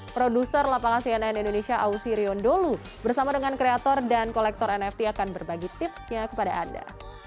produser lapangan cnn indonesia ausi riondolu bersama dengan kreator dan kolektor nft akan berbagi tipsnya kepada anda